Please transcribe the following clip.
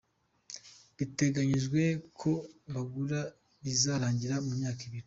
Biteganyijwe ko kwagura bizarangira mu myaka ibiri.